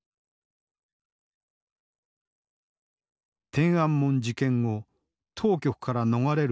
天安門事件後当局から逃れるため亡命。